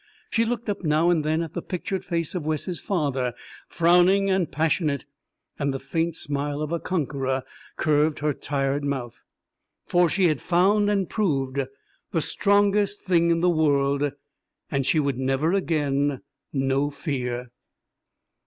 She looked up now and then at the pictured face of Wes's father, frowning and passionate, and the faint smile of a conqueror curved her tired mouth. For she had found and proved the strongest thing in the world, and she would never again know fear.